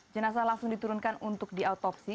jenazah langsung diturunkan untuk diautopsi